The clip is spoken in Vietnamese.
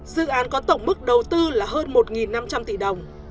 dự án có tổng mức đầu tư là hơn một năm trăm linh tỷ đồng